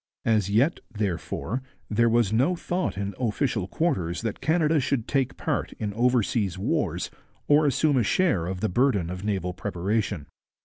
As yet, therefore, there was no thought in official quarters that Canada should take part in oversea wars or assume a share of the burden of naval preparation.